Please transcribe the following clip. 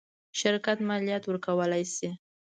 شرکت مالیات ورکولی شي.